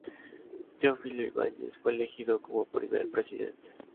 Teófilo Ibáñez fue elegido como primer presidente.